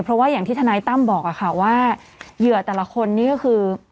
เพราะว่าอย่างที่ทนายตั้มบอกค่ะว่าเหยื่อแต่ละคนนี่ก็คือ